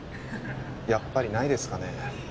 やっぱりないですかね？